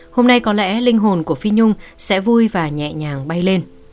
hôm nay có lẽ linh hồn của phi nhung sẽ vui và nhẹ nhàng bay lên